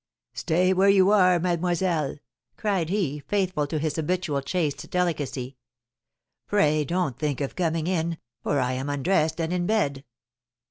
"Stay where you are, mademoiselle!" cried he, faithful to his habitual chaste delicacy. "Pray don't think of coming in, for I am undressed and in bed!"